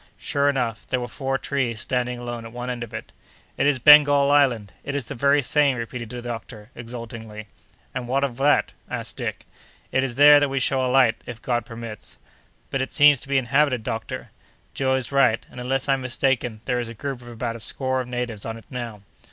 Sure enough, there were four trees standing alone at one end of it. "It is Bengal Island! It is the very same," repeated the doctor, exultingly. "And what of that?" asked Dick. "It is there that we shall alight, if God permits." "But, it seems to be inhabited, doctor." "Joe is right; and, unless I'm mistaken, there is a group of about a score of natives on it now."